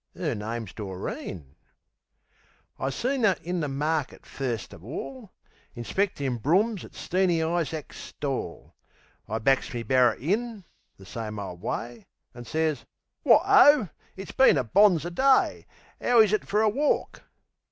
'Er name's Doreen. I seen 'er in the markit first uv all, Inspectin' brums at Steeny Isaacs' stall. I backs me barrer in the same ole way An' sez, "Wot O! It's been a bonzer day. 'Ow is it fer a walk?"...